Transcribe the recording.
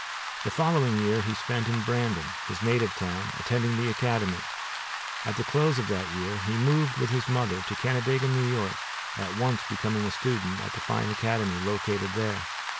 The following year he spent in Brandon, his native town, attending the academy. At the close of that year he moved with his mother to Canandaigua, N. Y., at once becoming a student at the fine academy located there.